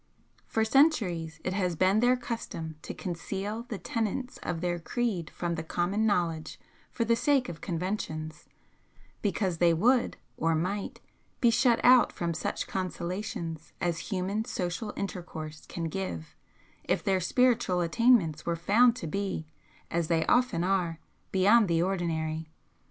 For centuries it has been their custom to conceal the tenets of their creed from the common knowledge for the sake of conventions; because they would, or might, be shut out from such consolations as human social intercourse can give if their spiritual attainments were found to be, as they often are, beyond the ordinary.